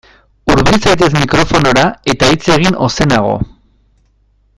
Hurbil zaitez mikrofonora eta hitz egin ozenago.